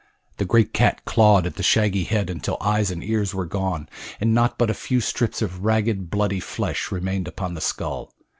The great cat clawed at the shaggy head until eyes and ears were gone, and naught but a few strips of ragged, bloody flesh remained upon the skull.